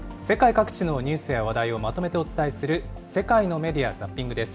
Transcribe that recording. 世界各地のニュースや話題をまとめてお伝えする、世界のメディア